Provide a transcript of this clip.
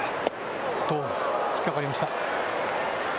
引っ掛かりました。